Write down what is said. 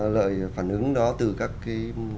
lời phản ứng đó từ các cái